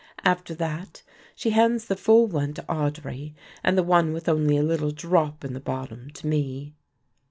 After that she hands the full one to Audry and the one with only a little drop in the bottom to me."